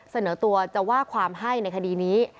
เสนอตัวจะว่าความให้ในคดีนี้